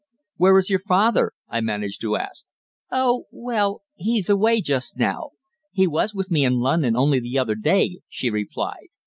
"Where is your father?" I managed to ask. "Oh! well, he's away just now. He was with me in London only the other day," she replied.